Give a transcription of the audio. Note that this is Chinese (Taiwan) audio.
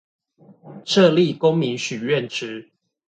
設立公民許願池